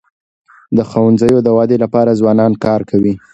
د ښوونځیو د ودی لپاره ځوانان کار کوي.